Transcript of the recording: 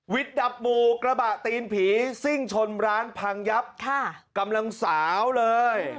ดับหมู่กระบะตีนผีซิ่งชนร้านพังยับค่ะกำลังสาวเลย